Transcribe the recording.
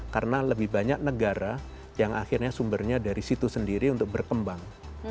karena lebih banyak negara yang akhirnya sumbernya dari situ sendiri untuk berkembang